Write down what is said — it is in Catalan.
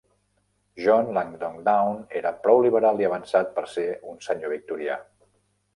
John Langdon Down era prou liberal i avançat per ser un senyor victorià.